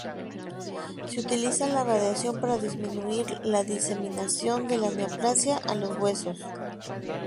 Se utiliza la radiación para disminuir la diseminación de la neoplasia a los huesos.